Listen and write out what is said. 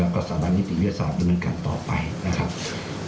และก็สถาบันนิติวิทยาศาสตร์เป็นบางการต่อไป